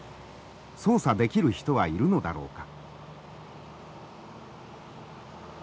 操作できる人はいるのだろうか。